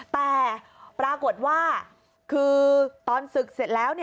แต่ปรากฏว่าคือตอนศึกเสร็จแล้ว